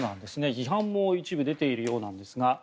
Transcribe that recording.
批判も一部、出ているようなんですが